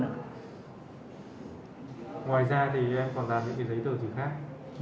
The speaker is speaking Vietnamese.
ngoài ra thì em còn làm những giấy tờ gì khác